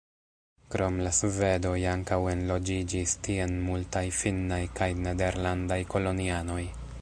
Krom la svedoj ankaŭ enloĝiĝis tien multaj finnaj kaj nederlandaj kolonianoj.